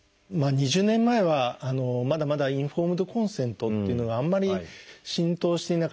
２０年前はまだまだインフォームドコンセントっていうのがあんまり浸透していなかったんですね。